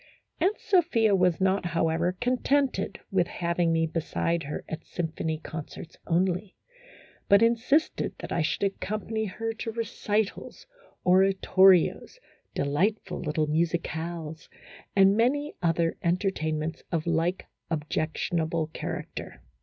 Aunt Sophia was not, however, contented with having me beside her at symphony concerts only, 1 6 A HYPOCRITICAL ROMANCE. but insisted that I should accompany her to recitals, oratorios, delightful little musicales, and many other entertainments of like objectionable character.